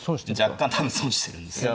若干多分損してるんですよね。